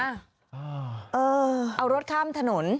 เออเอารถข้ามถนน